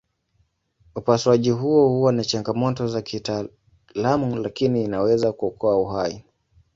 Upasuaji huo huwa na changamoto za kitaalamu lakini inaweza kuokoa uhai.